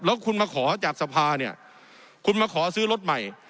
แล้วคุณมาขอจากสภาเนี่ยคุณมาขอซื้อรถใหม่